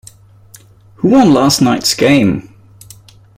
Who won last night's game?